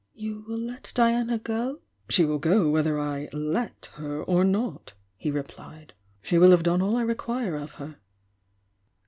You will let Diana go?" "She will go whether I 'let' her or not, he re plied. "She will have done all I require of her."